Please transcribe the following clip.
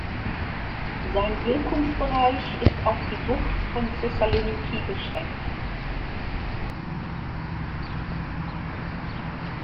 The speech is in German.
Sein Wirkungsbereich ist auf die Bucht von Thessaloniki beschränkt.